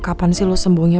kapan sih lo sembunyai